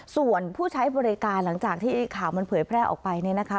ส่วนผู้ใช้บริการหลังจากที่ข่าวมันเผยแพร่ออกไปเนี่ยนะคะ